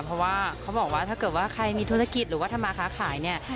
เพราะว่าเขาบอกว่าถ้าเกิดว่าใครมีธุรกิจหรือว่าทำมาค้าขายเนี่ย